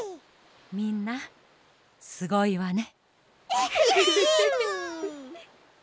みんなすごいわね。